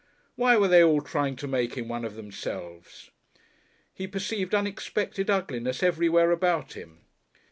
Why were they all trying to make him one of themselves? He perceived unexpected ugliness everywhere about him.